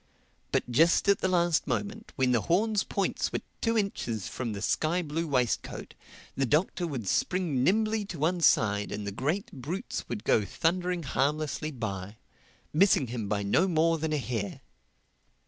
But just at the last moment, when the horns' points were two inches from the sky blue waistcoat, the Doctor would spring nimbly to one side and the great brutes would go thundering harmlessly by, missing him by no more than a hair.